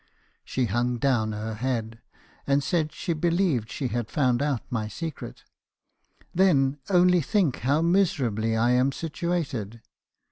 " She hung down her head , and said she believed she had found out my secret. u ' Then only think how miserably I am situated.